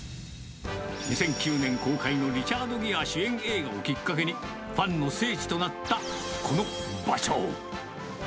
２００９年公開のリチャード・ギア主演映画をきっかけに、ファンの聖地となったこの場所。